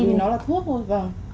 bởi vì nó là thuốc thôi vâng